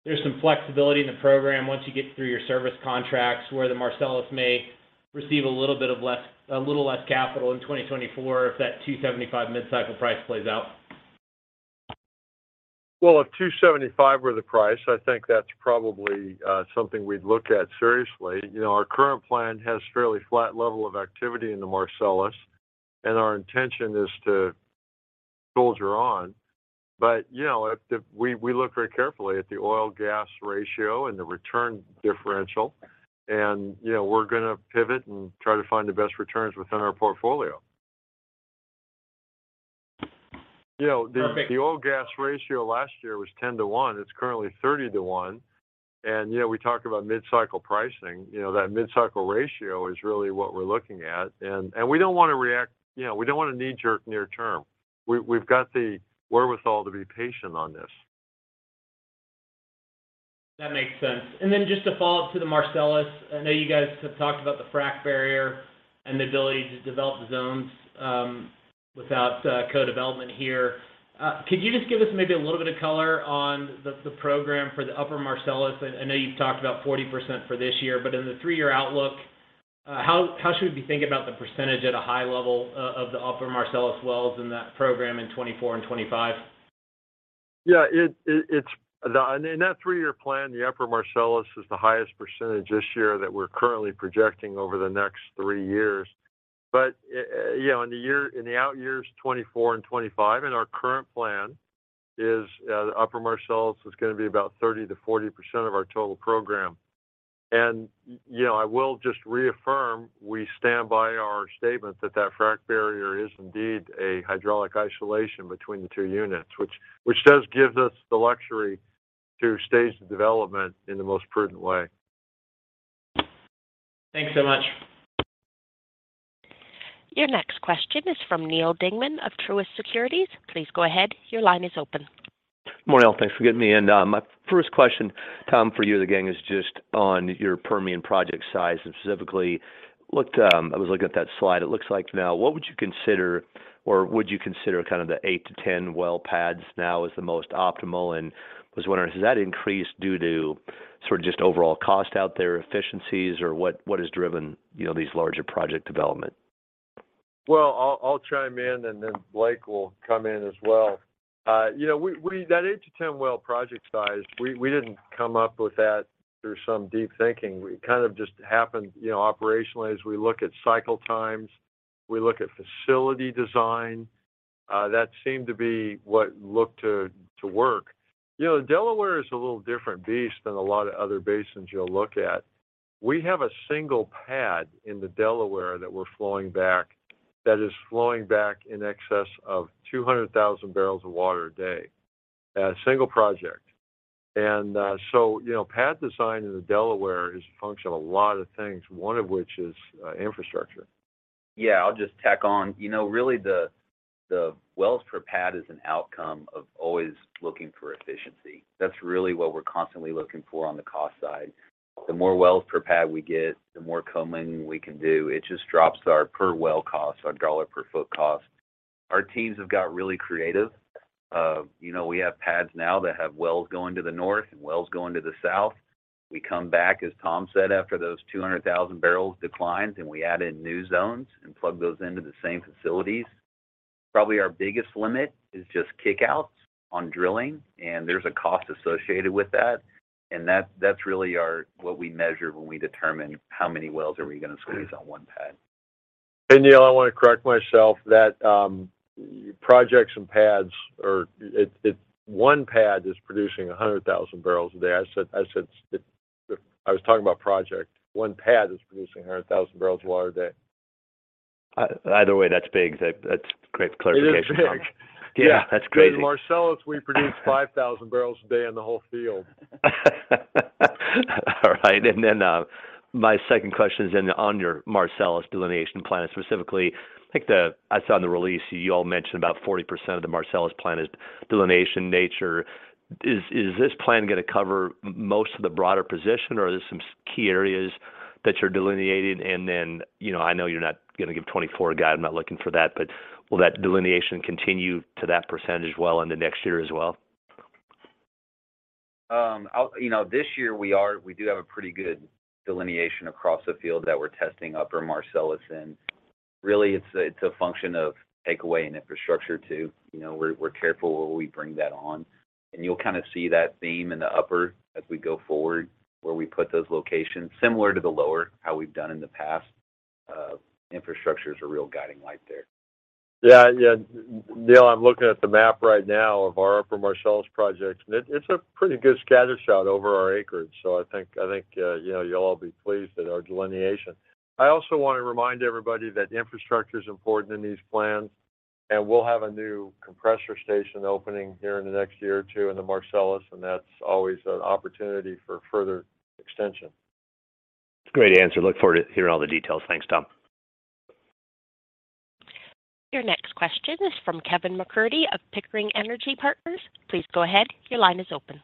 there's some flexibility in the program once you get through your service contracts, where the Marcellus may receive a little less capital in 2024 if that $2.75 mid-cycle price plays out? Well, if $2.75 were the price, I think that's probably something we'd look at seriously. You know, our current plan has fairly flat level of activity in the Marcellus, our intention is to soldier on. You know, if we look very carefully at the oil/gas ratio and the return differential and, you know, we're gonna pivot and try to find the best returns within our portfolio. You know. Perfect... the oil/gas ratio last year was 10 to 1. It's currently 30 to 1. You know, we talk about mid-cycle pricing. You know, that mid-cycle ratio is really what we're looking at. We don't wanna react... You know, we don't wanna knee-jerk near term. We've got the wherewithal to be patient on this. That makes sense. Just a follow-up to the Marcellus. I know you guys have talked about the frac barrier and the ability to develop the zones without co-development here. Could you just give us maybe a little bit of color on the program for the Upper Marcellus? I know you've talked about 40% for this year, but in the three-year outlook, how should we be thinking about the percentage at a high level of the Upper Marcellus wells in that program in 2024 and 2025? In that three-year plan, the Upper Marcellus is the highest percentage this year that we're currently projecting over the next three years. you know, in the out years, 2024 and 2025, and our current plan is, the Upper Marcellus is gonna be about 30%-40% of our total program. you know, I will just reaffirm, we stand by our statement that that frac barrier is indeed a hydraulic isolation between the two units, which does give us the luxury to stage the development in the most prudent way. Thanks so much. Your next question is from Neal Dingmann of Truist Securities. Please go ahead. Your line is open. Morning, all. Thanks for getting me in. My first question, Tom, for you and the gang is just on your Permian project size, and specifically, I was looking at that slide. It looks like now, what would you consider kind of the 8-10 well pads now as the most optimal? Was wondering, has that increased due to sort of just overall cost out there, efficiencies, or what has driven, you know, these larger project development? Well, I'll chime in, and then Blake will come in as well. You know, we. That 8 to 10 well project size, we didn't come up with that through some deep thinking. We kind of just happened, you know, operationally as we look at cycle times, we look at facility design, that seemed to be what looked to work. You know, Delaware is a little different beast than a lot of other basins you'll look at. We have a single pad in the Delaware that we're flowing back, that is flowing back in excess of 200,000 barrels of water a day. Single project. You know, pad design in the Delaware is a function of a lot of things, one of which is, infrastructure. Yeah. I'll just tack on. You know, really the wells per pad is an outcome of always looking for efficiency. That's really what we're constantly looking for on the cost side. The more wells per pad we get, the more coming we can do. It just drops our per well cost, our dollar per foot cost. Our teams have got really creative. You know, we have pads now that have wells going to the north and wells going to the south. We come back, as Tom said, after those 200,000 barrels declines, and we add in new zones and plug those into the same facilities. Probably our biggest limit is just kickouts on drilling, and there's a cost associated with that, and that's really what we measure when we determine how many wells are we gonna squeeze on one pad. Neal, I wanna correct myself. That projects and pads are, it's one pad is producing 100,000 barrels a day. I said it's the... I was talking about project. One pad is producing 100,000 barrels of water a day. either way, that's big. That's great clarification, Tom. It is big. Yeah. That's crazy. In Marcellus, we produce 5,000 barrels a day in the whole field. All right. My second question is then on your Marcellus delineation plan, specifically, I saw in the release you all mentioned about 40% of the Marcellus plan is delineation nature. Is this plan gonna cover most of the broader position, or are there some key areas that you're delineating? You know, I know you're not gonna give 2024 guide. I'm not looking for that, but will that delineation continue to that percentage well into next year as well? You know, this year we are. We do have a pretty good delineation across the field that we're testing Upper Marcellus in. Really it's a function of takeaway and infrastructure, too. You know, we're careful where we bring that on. You'll kind of see that theme in the Upper as we go forward, where we put those locations similar to the Lower, how we've done in the past. Infrastructure is a real guiding light there. Yeah, yeah. Neal, I'm looking at the map right now of our Upper Marcellus projects, and it's a pretty good scatter shot over our acreage. I think, you know, you'll all be pleased at our delineation. I also want to remind everybody that infrastructure's important in these plans, and we'll have a new compressor station opening here in the next year or two in the Marcellus, and that's always an opportunity for further extension. Great answer. Look forward to hearing all the details. Thanks, Tom. Your next question is from Kevin MacCurdy of Pickering Energy Partners. Please go ahead. Your line is open.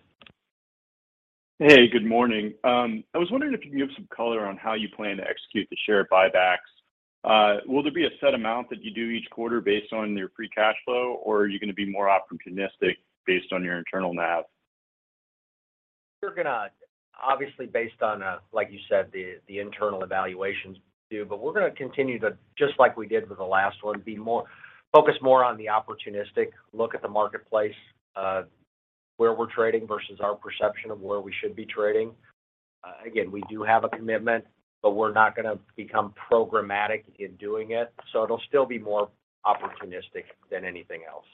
Hey, good morning. I was wondering if you can give some color on how you plan to execute the share buybacks. Will there be a set amount that you do each quarter based on your free cash flow, or are you gonna be more opportunistic based on your internal nav? We're gonna, obviously based on, like you said, the internal evaluations due. We're gonna continue to, just like we did with the last one, focus more on the opportunistic look at the marketplace, where we're trading versus our perception of where we should be trading. Again, we do have a commitment. We're not gonna become programmatic in doing it. It'll still be more opportunistic than anything else.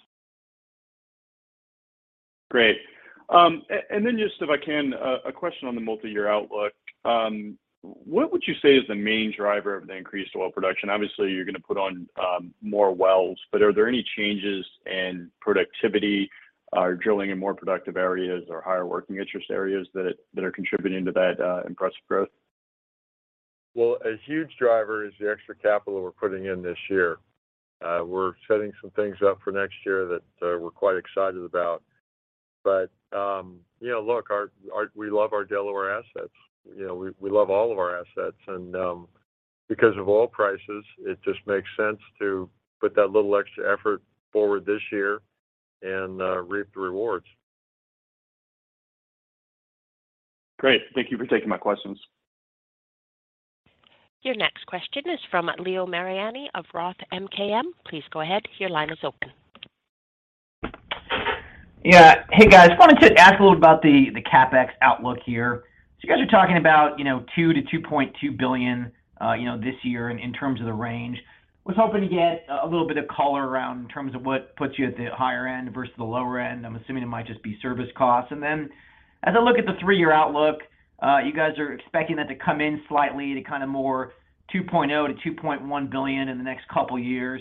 Great. Then just if I can, a question on the multiyear outlook. What would you say is the main driver of the increased oil production? Obviously, you're gonna put on more wells. Are there any changes in productivity or drilling in more productive areas or higher working interest areas that are contributing to that impressive growth? Well, a huge driver is the extra capital we're putting in this year. We're setting some things up for next year that we're quite excited about. You know, look, we love our Delaware assets. You know, we love all of our assets. Because of oil prices, it just makes sense to put that little extra effort forward this year and reap the rewards. Great. Thank you for taking my questions. Your next question is from Leo Mariani of Roth MKM. Please go ahead. Your line is open. Yeah. Hey, guys. Wanted to ask a little about the CapEx outlook here. You guys are talking about, you know, $2 billion-$2.2 billion, you know, this year in terms of the range. I was hoping to get a little bit of color around in terms of what puts you at the higher end versus the lower end. I'm assuming it might just be service costs. As I look at the three-year outlook, you guys are expecting that to come in slightly to kind of more $2.0 billion-$2.1 billion in the next couple years.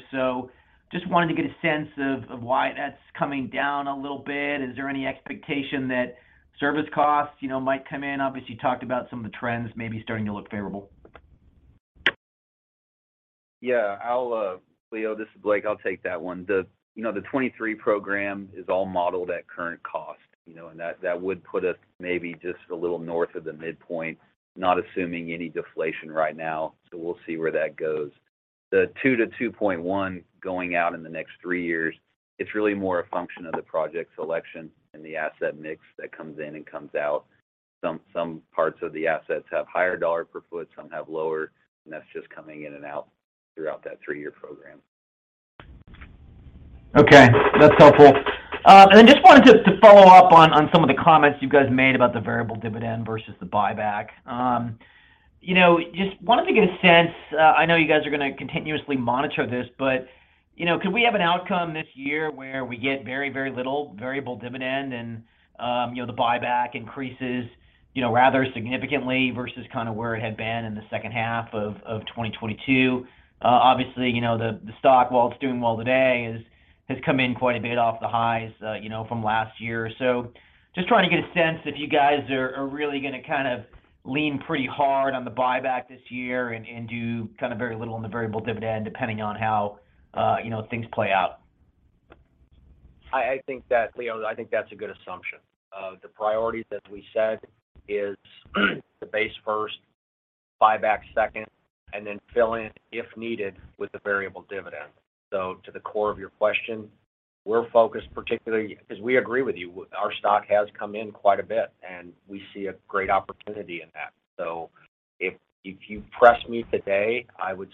Just wanted to get a sense of why that's coming down a little bit. Is there any expectation that service costs, you know, might come in? Obviously, you talked about some of the trends maybe starting to look favorable. Yeah. I'll, Leo, this is Blake. I'll take that one. The, you know, the 23 program is all modeled at current cost, you know, and that would put us maybe just a little north of the midpoint, not assuming any deflation right now. We'll see where that goes. The 2 to 2.1 going out in the next 3 years, it's really more a function of the project selection and the asset mix that comes in and comes out. Some parts of the assets have higher dollar per foot, some have lower, and that's just coming in and out throughout that 3-year program. Okay. That's helpful. Just wanted to follow up on some of the comments you guys made about the variable dividend versus the buyback. You know, just wanted to get a sense, I know you guys are gonna continuously monitor this, but, you know, could we have an outcome this year where we get very, very little variable dividend and, you know, the buyback increases, you know, rather significantly versus kind of where it had been in the second half of 2022? Obviously, you know, the stock, while it's doing well today has come in quite a bit off the highs, you know, from last year. Just trying to get a sense if you guys are really gonna kind of lean pretty hard on the buyback this year and do kind of very little on the variable dividend depending on how, you know, things play out? I think that Leo, I think that's a good assumption. The priority, as we said, is the base first, buyback second, and then fill in if needed with the variable dividend. To the core of your question, we're focused particularly because we agree with you. Our stock has come in quite a bit, and we see a great opportunity in that. If you press me today, I would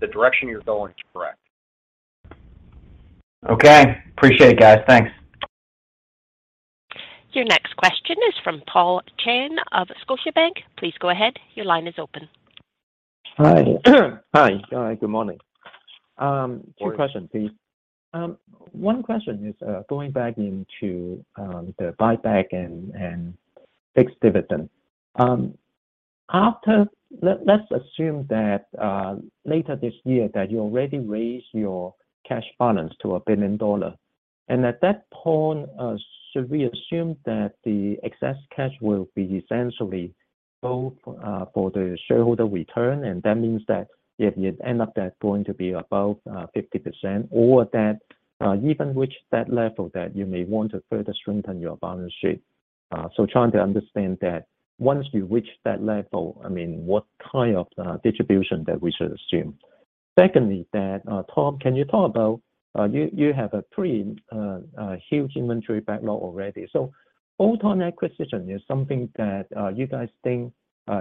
say the direction you're going is correct. Okay. Appreciate it, guys. Thanks. Your next question is from Paul Cheng of Scotiabank. Please go ahead. Your line is open. Hi. Hi. good morning. Morning. Two questions, please. One question is, going back into the buyback and fixed dividend. Let's assume that later this year that you already raised your cash balance to $1 billion. At that point, should we assume that the excess cash will be essentially both for the shareholder return, and that means that if you end up that going to be above 50%, or that even reach that level that you may want to further strengthen your balance sheet. Trying to understand that once you reach that level, I mean, what kind of distribution that we should assume? Secondly, that Tom, can you talk about, you have a pretty huge inventory backlog already. Bolt-on acquisition is something that, you guys think,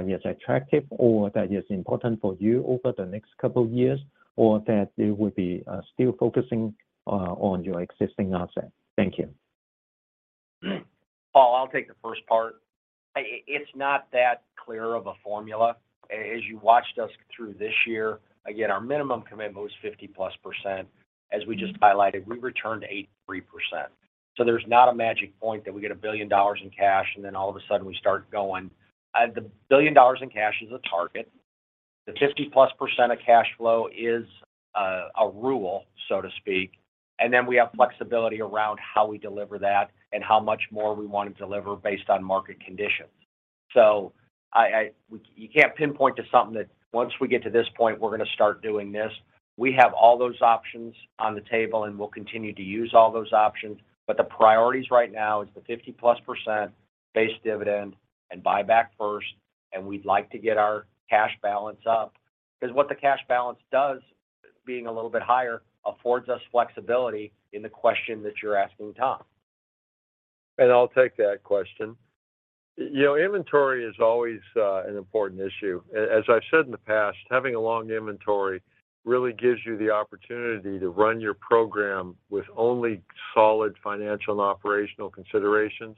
is attractive or that is important for you over the next couple of years, or that you would be, still focusing, on your existing asset? Thank you. Paul, I'll take the first part. It's not that clear of a formula. As you watched us through this year, again, our minimum commitment was 50+%. As we just highlighted, we returned 83%. There's not a magic point that we get $1 billion in cash, and then all of a sudden we start going. The $1 billion in cash is a target. The 50+% of cash flow is a rule, so to speak, and then we have flexibility around how we deliver that and how much more we want to deliver based on market conditions. You can't pinpoint to something that once we get to this point, we're gonna start doing this. We have all those options on the table, and we'll continue to use all those options, but the priorities right now is the 50%+ base dividend and buyback first, and we'd like to get our cash balance up. What the cash balance does, being a little bit higher, affords us flexibility in the question that you're asking Tom. I'll take that question. You know, inventory is always an important issue. As I've said in the past, having a long inventory really gives you the opportunity to run your program with only solid financial and operational considerations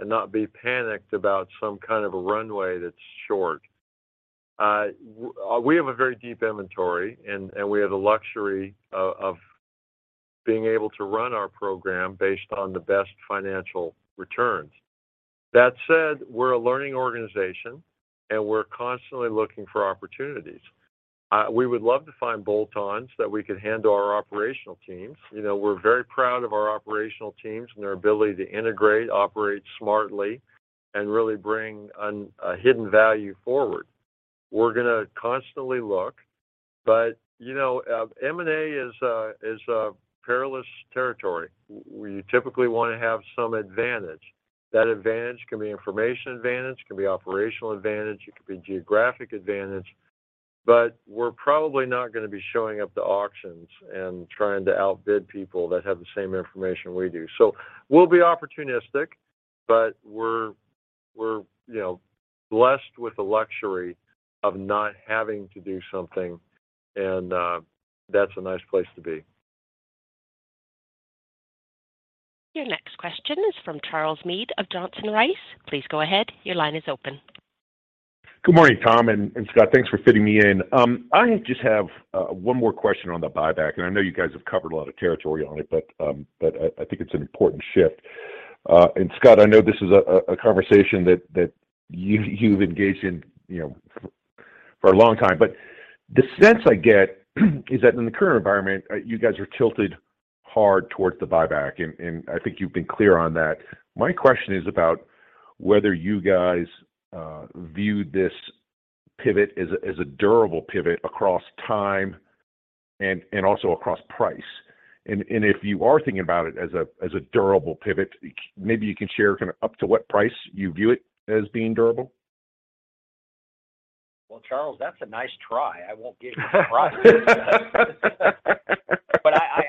and not be panicked about some kind of a runway that's short. We have a very deep inventory and we have the luxury of being able to run our program based on the best financial returns. That said, we're a learning organization, and we're constantly looking for opportunities. We would love to find bolt-ons that we could hand to our operational teams. You know, we're very proud of our operational teams and their ability to integrate, operate smartly, and really bring a hidden value forward. We're gonna constantly look, but, you know, M&A is a perilous territory. We typically wanna have some advantage. That advantage can be information advantage, it can be operational advantage, it could be geographic advantage. We're probably not gonna be showing up to auctions and trying to outbid people that have the same information we do. We'll be opportunistic, but we're, you know, blessed with the luxury of not having to do something, and that's a nice place to be. Your next question is from Charles Meade of Johnson Rice. Please go ahead. Your line is open. Good morning, Tom Jorden and Scott Schroeder. Thanks for fitting me in. I just have one more question on the buyback, and I know you guys have covered a lot of territory on it, but I think it's an important shift. Scott Schroeder, I know this is a conversation that you've engaged in, you know, for a long time, but the sense I get is that in the current environment, you guys are tilted hard towards the buyback, and I think you've been clear on that. My question is about whether you guys view this pivot as a durable pivot across time and also across price. If you are thinking about it as a durable pivot, maybe you can share kinda up to what price you view it as being durable. Well, Charles, that's a nice try. I won't give you the price.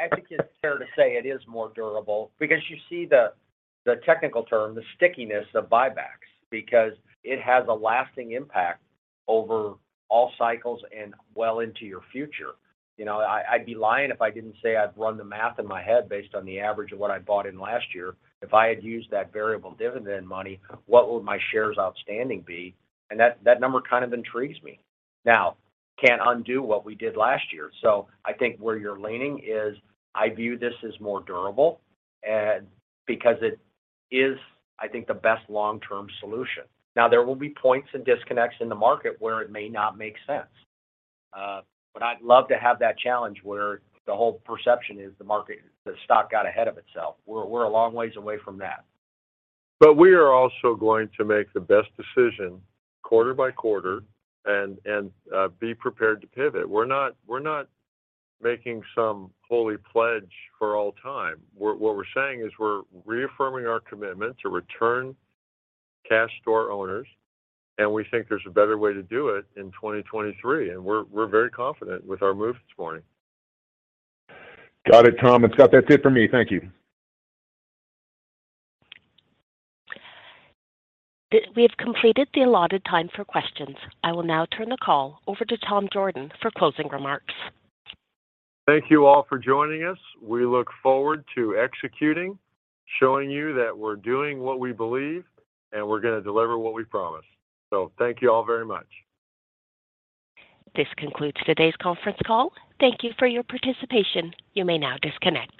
I think it's fair to say it is more durable because you see the technical term, the stickiness of buybacks because it has a lasting impact over all cycles and well into your future. You know, I'd be lying if I didn't say I'd run the math in my head based on the average of what I bought in last year. If I had used that variable dividend money, what would my shares outstanding be? That number kind of intrigues me. Can't undo what we did last year. I think where you're leaning is I view this as more durable because it is, I think, the best long-term solution. There will be points and disconnects in the market where it may not make sense. I'd love to have that challenge where the whole perception is the market, the stock got ahead of itself. We're a long ways away from that. We are also going to make the best decision quarter by quarter and be prepared to pivot. We're not making some holy pledge for all time. What we're saying is we're reaffirming our commitment to return cash to our owners, and we think there's a better way to do it in 2023, and we're very confident with our move this morning. Got it, Tom and Scott. That's it for me. Thank you. We have completed the allotted time for questions. I will now turn the call over to Tom Jorden for closing remarks. Thank you all for joining us. We look forward to executing, showing you that we're doing what we believe, and we're gonna deliver what we promised. Thank you all very much. This concludes today's conference call. Thank you for your participation. You may now disconnect.